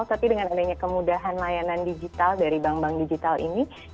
tapi dengan adanya kemudahan layanan digital dari bank bank digital ini